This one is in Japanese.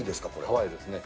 ハワイですね。